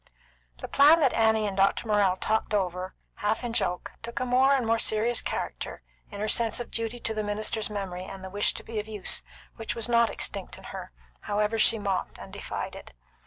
The plan that Annie and Doctor Morrell talked over half in joke took a more and more serious character in her sense of duty to the minister's memory and the wish to be of use, which was not extinct in her, however she mocked and defied it.